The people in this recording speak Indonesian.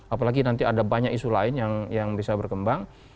apalagi nanti ada banyak isu lain yang bisa berkembang